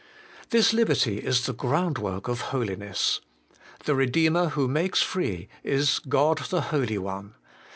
7. This liberty is the groundwork of holiness. The Redeemer who makes free is God the Holy One.